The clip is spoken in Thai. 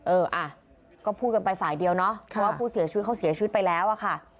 เอออ่ะก็พูดกันไปฝ่ายเดียวเนาะเพราะว่าผู้เสียชีวิตเขาเสียชีวิตไปแล้วอะค่ะ